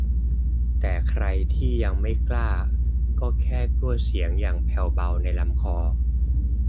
แต่ใครที่ยังไม่กล้าก็แค่กลั้วเสียงอย่างแผ่วเบาในลำคอ